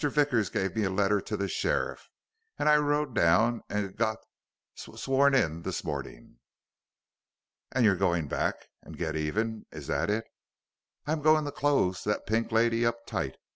Vickers gave me a letter to the sheriff, and I rode down and g got s sworn in this morning." "And you're going back and get even. Is that it?" "I'm going to close that Pink Lady up tight.